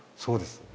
そうです。